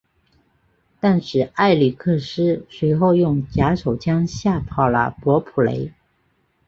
但是艾力克斯随后用假手枪吓跑了伯普雷。